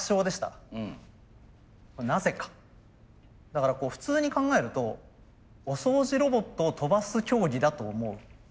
だからこう普通に考えるとお掃除ロボットを跳ばす競技だと思う。